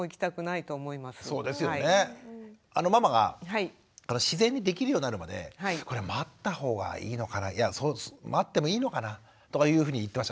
ママが自然にできるようになるまで待った方がいいのかないや待ってもいいのかなとかいうふうに言ってました。